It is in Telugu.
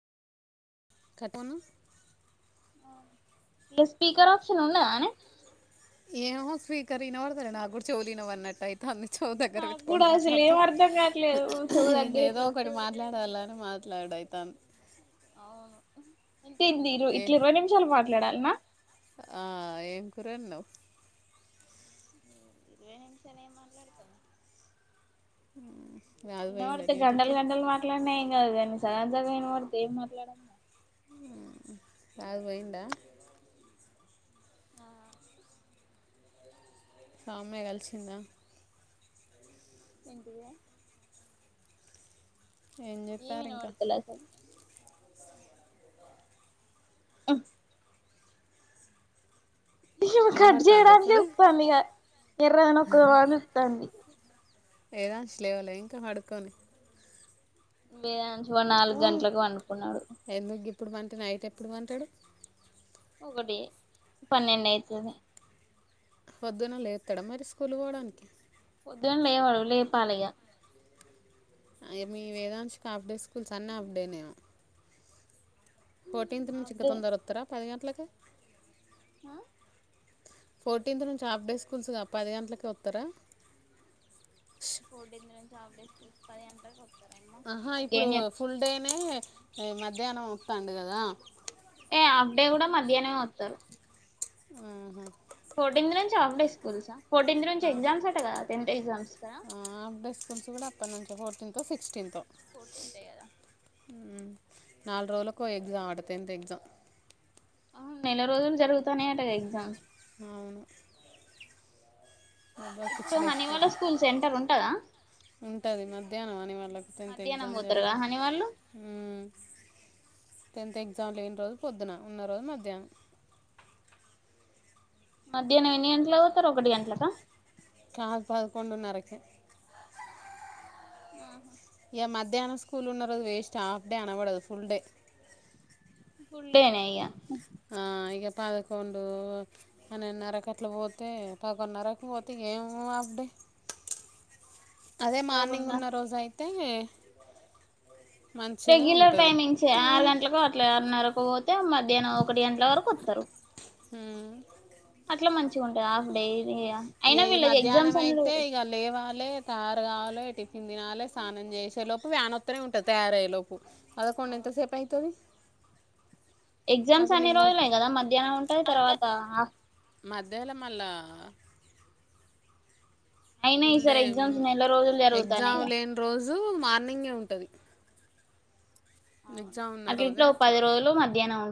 కథనా స్పీకర్ ప్షన్ ఆనే ఏ స్వీకరి న వాడతార నాగు చవుదినో అన్నట్ట్ట అయి తన్ని చవు దగ్గర నాకు కూడా పెట్టుకొని అసలు ఏం మాట్లాడుతాం అర్థం కావట్లేదు చెవు ఇన్ని దగ్గర ఏదో ఇట్లా ఒత్తి ఒకటి పెడితేనే మాట్లాడాలని మాట్లాడుైతే తం అవును ఏంటే ఇంది ఇర ఏ ఇట్లా ఇరవై నిమిషాలు మాట్లాడాలిమా రణ ఇరవై నిమిషనే మాట్లాడుతను ఆ ఇన్న మడుతే గండల్ గండలు మాట్లాడినయి కాదు కానీ సగం సగమైన వాడితే ఏం మాట్లాడ కాదు పోయిందా ఆ సామె్య కలిసిందా ఇండియా ఏం చెప్పారు ఇంకా అసలు ఆ నేను కట్ వినబడుతుంది చేయడానినికి ఇప్పుడు వతాంది ఇక ఎర్రనొక్కద అని చెప్తాంది ఏదాంచ లేవలో ఇంకా పడుకొని ద నుంచి ఒక నాలుగు గంటలలకు వండుకున్నాడు ఎందుకు ఇప్పుడు పంట నైట్ ఎప్పుడు పంటాడు ఒకకటి పన్నెండయితుద వొద్దున లేస్తాడా మరి స్కూల్ పోవడానికి పొద్దుని లేవాడు లే పాలగ మీ వేదాశిక అప్డే స్కూల్స్ అన్న అప్డే నేను ఫోర్టీన్త్ నుంచి హాఫ్ ఇకా డే తొందర ఉత్తరా పదిహే ఎట్లాకే హ ఫోర్టీన్త్ నుంచి హాఫ్ డే స్కూల్స్గా పది గంటలక వస్తారా చూసు పది అంటారు ఆహా ఇప్పుడు ఫుల్ డే నే మ మధ్యాహ్నం మొత్తాండు కదా ఏ ఆఫ్ డే కూడా మధ్యాహ్నం మత్తరు ఉహు ఫోర్టింత్ నుంచి ఆఫ్ డే స్కూల్సా ఫోర్టీన్త్ నుంచి ఆ, ఎగ్జామ్స్ ఆట కదా టెన్త్ ఎగ్జామ్స్ కదా సిక్స్టెంతో ఫోటీంతే కదా నాలుగు రోజులకో ఎగ్జామ్ ఆట టెన్త్ ఎగ్జామ్ నెల రోజులు జరుగుతానయటగా ఎగ్జామ్స్ ఇప్పుడు హనీ వాళ్ళ పర్చ్చిలేచిపోతే స్కూల్ సెంటర్ ఉంటదా ఉంటది మధ్యాహ్నం ఆనే వాళ్ళకు టెన్త్ మధ్యాహ్నం ఎగ్జామ్ పోతారుగా జరిగింది హనీ వాళ్ళు ఉం టెన్త్ ఎగ్జామ్ లేని రోజు పొద్దున ఉన్న రోజు మధ్యాహ్నం మధ్యాహ్నం ఎన్ని గంటలకు పోతరు ఒకటి గంటలకా కాద్ పదకొండున్నరకె ఆహా ఇక మధ్యాహ్నం స్కూల్ ఉన్నరోజు వేస్ట్ హాఫ్ డే అనబడదు ఫుల్ డే ఫుల్ డే నే ఇగ ఇక పదకొండు పన్నెండున్నరకు అట్లా పోతే పదకొండున్నరకు పోతే ఏం హాఫ్ డే అదే మార్నింగ్ పదకొండున్నర ఉన్న రోజు అయితే తే రెగ్యులర్ టైమింగ్స్ ఆరు గంటలకు ల నరకపోతే మధ్యాహ్నం ఒకటి గంటల వరకు వత్తరు ఉం అట్లా మంచిగా ఉంటంది హాఫ్ డే ఇది ఇగ అయినా ఈ వీళ్ళకి ఎగ్జామ్స్ మధ్యాహ్నం అన్ని అయితే రోజులు ఇక లేవాలి తయారు కావాలే తినాలే స్నానం చేశేలోపు వ్యానత్త నే ఉంటది తయారయ్యే లోపు పద కొండు ఎంతసేపు అయితది ఎగ్జామ్స్ అన్ని రోజులే కదా మధ్యాహ్నం ఉంటుది తర్వాత మధ్యలో మళ్ళా అయినా ఫుల్ డే ఈసారి ఎగ్జామ్స్ నెల రోజులు ఎగ్జామ్ జరుగుతానయిగా లేని రోజు మార్నింగే ఉంటది అవును ఉన్న అట్లా రోజే ఇట్లా ఒక పది రోజులు మధ్యాహ్నం